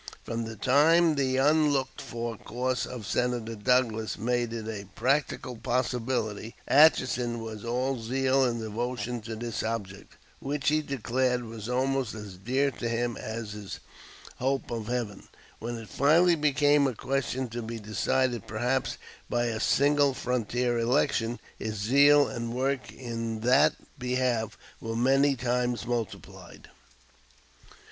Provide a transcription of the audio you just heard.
From the time the unlooked for course of Senator Douglas made it a practical possibility, Atchison was all zeal and devotion to this object, which he declared was almost as dear to him as his hope of heaven. When it finally became a question to be decided perhaps by a single frontier election, his zeal and work in that behalf were many times multiplied.